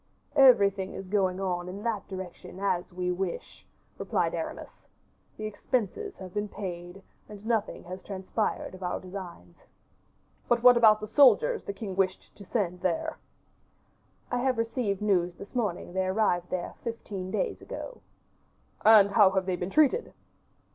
"Everything is going on in that direction as we wish," replied Aramis; "the expenses have been paid, and nothing has transpired of our designs." "But what about the soldiers the king wished to send there?" "I have received news this morning they arrived there fifteen days ago." "And how have they been treated?"